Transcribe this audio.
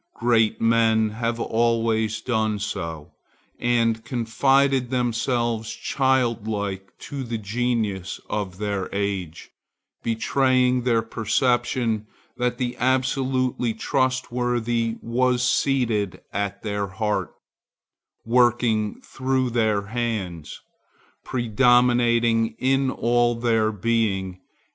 Great men have always done so, and confided themselves childlike to the genius of their age, betraying their perception that the absolutely trustworthy was seated at their heart, working through their hands, predominating in all their being.